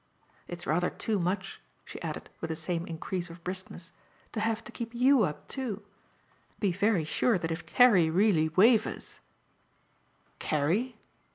It's rather too much," she added with the same increase of briskness, "to have to keep YOU up too. Be very sure that if Carrie really wavers " "Carrie?"